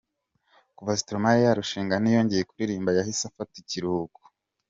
Kuva Stromae yarushinga ntiyongeye kuririmba, yahise afata ikuruhuko.